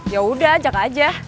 yaudah ajak aja